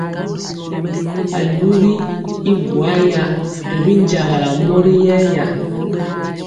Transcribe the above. Alugi y buaya ri binjagala mori yɛɛya.